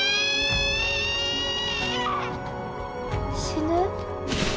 死ぬ？